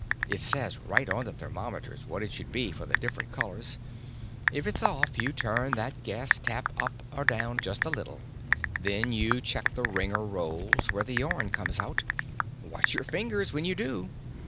It says right on the thermometers what it should be for the different colors. If it's off you turn that gas tap up or down, just a little. Then you check the wringer rolls where the yarn comes out. Watch your fingers when you do!